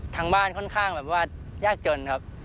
ทางบ้านค่อนข้างแบบว่ายากจนครับ